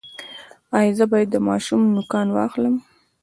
ایا زه باید د ماشوم نوکان واخلم؟